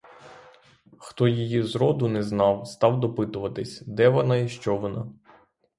Хто її зроду не знав, — став допитуватись: де вона й що вона.